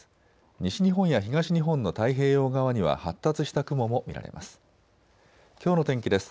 西日本や東日本の太平洋側には発達した雲も見られます。